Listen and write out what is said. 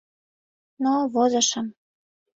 Но возышым.